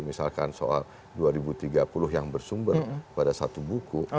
misalkan soal dua ribu tiga puluh yang bersumber pada satu buku